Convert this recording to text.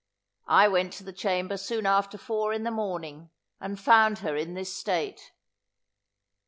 I went to the chamber soon after four in the morning, and found her in this state.